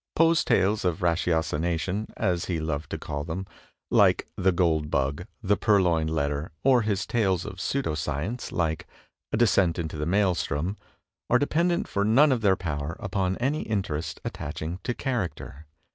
Poe's tales of ratiocination, as he loved to call them, like "The Gold Bug,'' " The Purloined Letter," or his tales of pseudo sedence, like "A Descent into the Maelstrom," are dependent for none of their power upon any interest attaching to character.